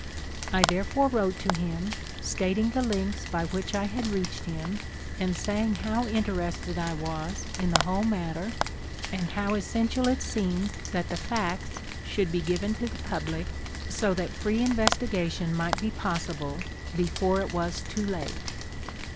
I therefore wrote to him stating the links by which I had reached him, and saying how interested I was in the whole matter, and how essential it seemed that the facts should be given to the public, so that free investiga tion might be possible before it was too late.